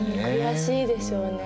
悔しいでしょうね。